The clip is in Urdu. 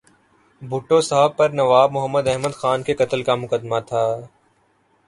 بھٹو صاحب پر نواب محمد احمد خان کے قتل کا مقدمہ تھا۔